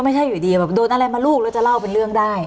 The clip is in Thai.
ไม่ใช่อยู่ดีแบบโดนอะไรมาลูกแล้วจะเล่าเป็นเรื่องได้